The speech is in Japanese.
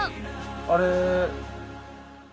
あれ。